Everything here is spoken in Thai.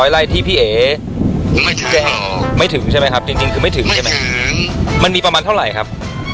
ไล่ที่พี่เอ๋ไม่ถึงใช่ไหมครับจริงคือไม่ถึงใช่ไหมมันมีประมาณเท่าไหร่ครับ